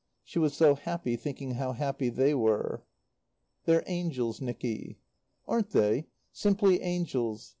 She was so happy thinking how happy they were. "They're angels, Nicky." "Aren't they? Simply angels.